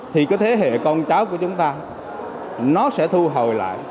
thì thế hệ con cháu của chúng ta sẽ thu hồi lại